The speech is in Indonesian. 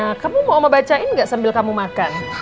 nah kamu mau oma bacain nggak sambil kamu makan